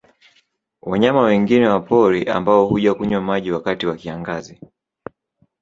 Wanyama wengine wa pori ambao huja kunywa maji wakati wa kiangazi